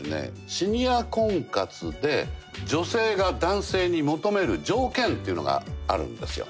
シニア婚活で女性が男性に求める条件というのがあるんですよ。